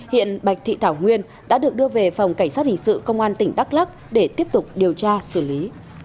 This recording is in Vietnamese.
hiện bạch thị thảo nguyên đã được đưa về phòng cảnh sát hình sự công an tỉnh đắk lắc để tiếp tục điều tra xử lý